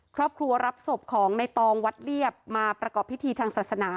ครอบครัวรับศพของในตองวัดเรียบมาประกอบพิธีทางศาสนา